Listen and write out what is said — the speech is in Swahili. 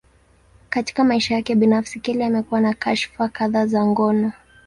Katika maisha yake binafsi, Kelly amekuwa na kashfa kadhaa za ngono.